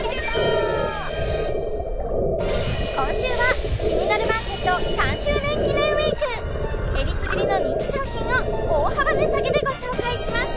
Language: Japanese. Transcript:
今週は「キニナルマーケット」３周年記念ウイークえりすぐりの人気商品を大幅値下げでご紹介します